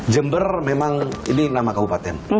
jember memang ini nama kabupaten